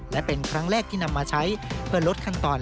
และเป็นครั้งแรกที่นำมาใช้เพื่อลดขั้นตอน